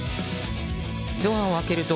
ドアを開けると